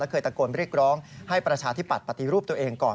เคยตะโกนเรียกร้องให้ประชาธิบัตย์ปฏิรูปตัวเองก่อน